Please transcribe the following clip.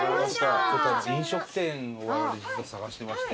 飲食店を我々実は探してまして。